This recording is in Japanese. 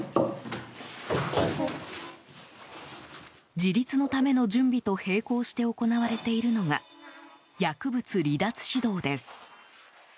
自立のための準備と並行して行われているのが薬物離脱指導です。